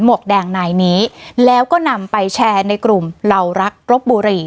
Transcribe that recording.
วกแดงนายนี้แล้วก็นำไปแชร์ในกลุ่มเหล่ารักรบบุรี